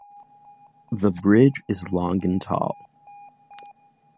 The bridge is long and tall.